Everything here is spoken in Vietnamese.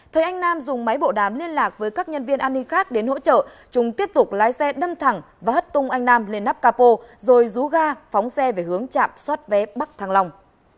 thấy anh nam dùng máy bộ đám liên lạc với các nhân viên an ninh khác đến hỗ trợ chúng tiếp tục lái xe đâm thẳng và hất tung anh nam lên nắp capo rồi rú ga phóng xe về hướng chạm soát vé bắc thăng long